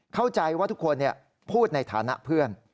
เข้าใจว่าทุกคนพูดในฐานะเพื่อน